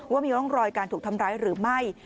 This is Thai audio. ว่ามีร่องรอยการถูกทำร้ายหรือไม่